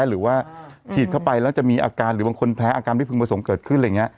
หรือว่าฉีดเข้าไปแล้วจะมีอาการหรือบางคนแพ้อาการไม่พึงประสงค์เกิดขึ้นอะไรอย่างนี้